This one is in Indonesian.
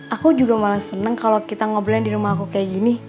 aku juga malah seneng kalau kita ngobrolin di rumah aku kayak gini